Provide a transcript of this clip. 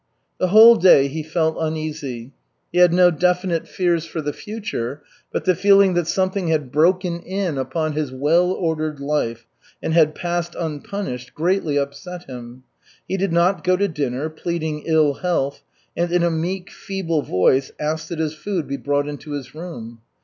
The whole day he felt uneasy. He had no definite fears for the future, but the feeling that something had broken in upon his well ordered life and had passed unpunished greatly upset him. He did not go to dinner, pleading ill health, and in a meek, feeble voice asked that his food be brought into his room.